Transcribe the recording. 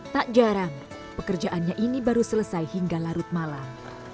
tak jarang pekerjaannya ini baru selesai hingga larut malam